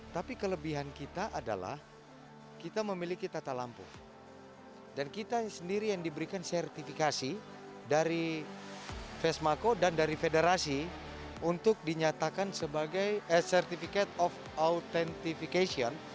tapi kelebihan kita adalah kita memiliki tata lampu dan kita sendiri yang diberikan sertifikasi dari vesmaco dan dari federasi untuk dinyatakan sebagai ad certificate of authentification